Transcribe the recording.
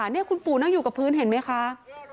นี่คุณปู่นั่งอยู่กับพื้นเห็นไหมคะ